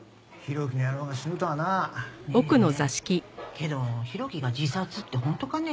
けど浩喜が自殺って本当かね？